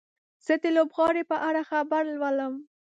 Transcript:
زه د لوبغاړي په اړه خبر لولم.